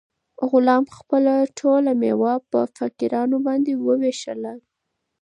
غلام خپله ټوله مېوه په فقیرانو باندې وویشله.